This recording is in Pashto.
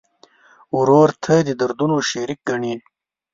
ورور ته د دردونو شریک ګڼې.